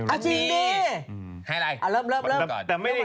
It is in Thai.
อ่ะจริงสิให้อะไรเริ่มเริ่มเริ่มก่อน